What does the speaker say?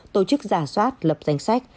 tổ chức giả soát lập danh sách